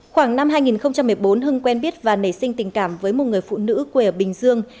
khoảng năm hai nghìn một mươi bốn hưng quen biết và nảy sinh tình cảm với một người phụ nữ quê ở bình dương